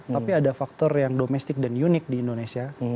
tapi ada faktor yang domestik dan unik di indonesia